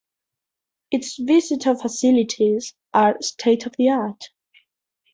Its visitor facilities are state-of-the-art.